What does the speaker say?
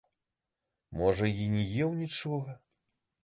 Можа й не еў нічога.